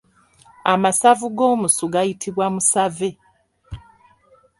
Amasavu g’omusu gayitibwa musave.